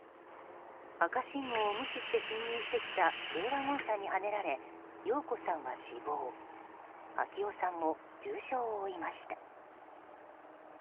赤信号を無視して進入してきた軽ワゴン車にはねられ耀子さんは死亡暁生さんも重傷を負いました。